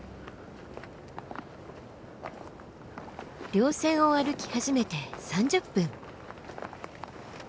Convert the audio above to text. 稜線を歩き始めて３０分。